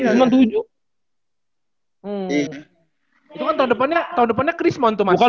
itu kan tahun depannya tahun depannya chrismont itu mas